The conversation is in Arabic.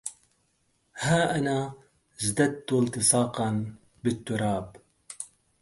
ها أنا ازددت التصاقاً... بالتراب!